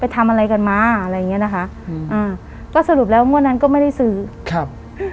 ทำอะไรกันมาอะไรอย่างเงี้ยนะคะอืมอ่าก็สรุปแล้วงวดนั้นก็ไม่ได้ซื้อครับ